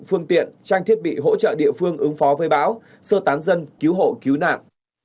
phương tiện trang thiết bị hỗ trợ địa phương ứng phó với bão sơ tán dân cứu hộ cứu nạn